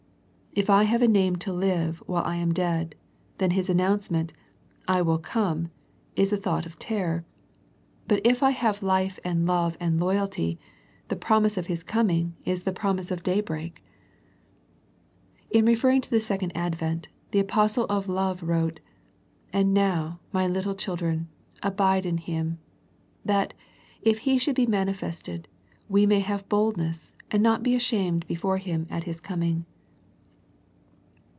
If I have a name to live while I am dead, then His announcement " I will come !" is a thought of terror. But if I have The Sardis Letter 147 life and love and loyalty, the promise of His coming is the promise of day break. In referring to the second advent the apostle of love wrote, " And now, my little children, abide in Him : that, if He shall be manifested, we may have boldness, and not be ashamed before Him at His coming."